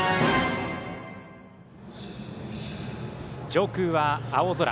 上空は青空。